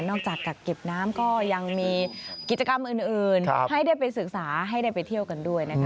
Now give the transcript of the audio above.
จากกักเก็บน้ำก็ยังมีกิจกรรมอื่นให้ได้ไปศึกษาให้ได้ไปเที่ยวกันด้วยนะคะ